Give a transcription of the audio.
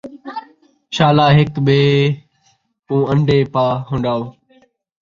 شالا ہک ٻئے کوں ان٘ڈے پا ہن٘ڈھاؤ